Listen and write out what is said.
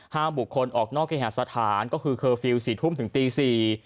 ห้ามบุคคลออกนอกในแห่งสถานก็คือเคอร์ฟิล๔ทุ่มถึงตี๔